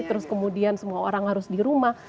terus kemudian semua orang harus di rumah